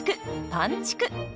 「パンちく」。